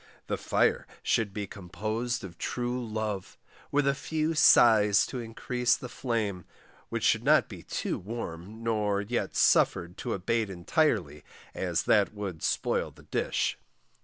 The fire should be composed of true love, with a few sighs to increase the flame, which should not be too warm, nor yet suffered to abate entirely, as that would spoil the dish.